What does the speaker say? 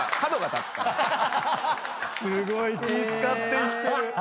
すごい気ぃ使って生きてる。